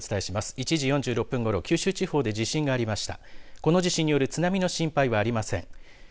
１時４６分ごろ九州地方で地震がありました。